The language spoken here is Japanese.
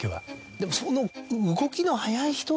でもその。